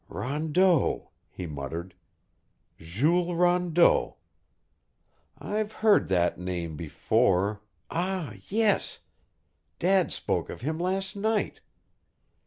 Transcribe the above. "Rondeau!" he muttered. "Jules Rondeau! I've heard that name before ah, yes! Dad spoke of him last night.